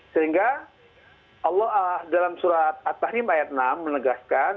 sehingga allah dalam surat at tahim ayat enam menegaskan